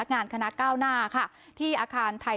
งานคณะก้าวหน้าค่ะที่อาคารไทย